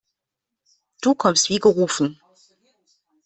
Du kommst wie gerufen.